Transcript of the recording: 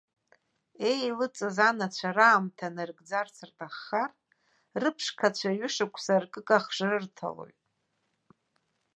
Еилыҵыз анацәа раамҭа нарыгӡарц рҭаххар, рыԥшқацәа ҩшықәса ркыкахш рырҭалоит.